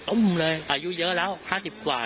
อุ้มเลยอายุเยอะแล้ว๕๐กว่า